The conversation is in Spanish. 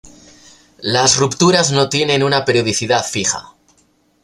Las rupturas no tienen una periodicidad fija.